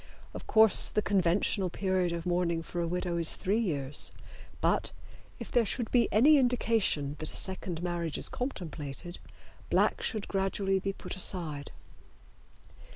Of course the conventional period of mourning for a widow is three years, but, if there should be any indication that a second marriage is contemplated, black should gradually be put aside.